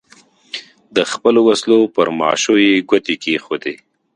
د خپلو وسلو پر ماشو یې ګوتې کېښودې.